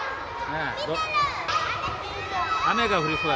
雨が降りそう。